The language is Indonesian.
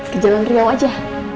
ke jalan rio aja